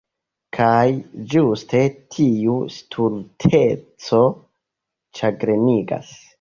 Kaj ĝuste tiu stulteco ĉagrenigas.